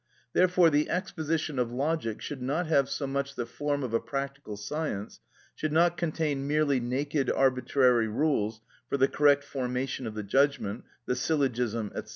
Therefore the exposition of logic should not have so much the form of a practical science, should not contain merely naked arbitrary rules for the correct formation of the judgment, the syllogism, &c.